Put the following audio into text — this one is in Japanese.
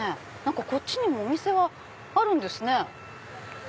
こっちにもお店はあるんですね。